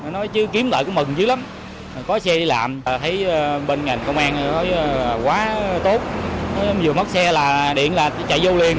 nói chứ kiếm lại cũng mừng dữ lắm có xe đi làm thấy bên ngành công an nói quá tốt vừa mất xe điện là chạy vô liền